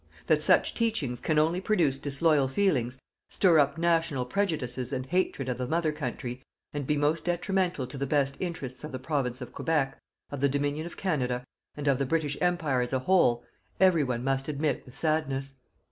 That such teachings can only produce disloyal feelings, stir up national prejudices and hatred of the Mother Country, and be most detrimental to the best interests of the Province of Quebec, of the Dominion of Canada, and of the British Empire as a whole, every one must admit with sadness.